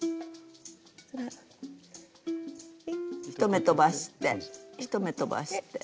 １目とばして１目とばして。